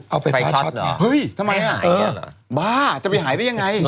เอาไฟฟิลล์อ๋อเฮ้ยทำไมอ่ะอ๋อบ้าจะไปหายได้ยังไง